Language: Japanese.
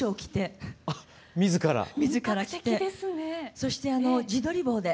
そして自撮り棒で。